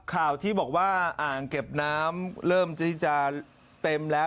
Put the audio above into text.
ข่าวที่บอกว่าอ่างเก็บน้ำเริ่มที่จะเต็มแล้ว